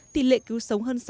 tỷ lệ cứu sống hơn sáu mươi